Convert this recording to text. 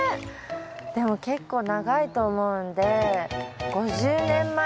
でも結構長いと思うんで５０年前。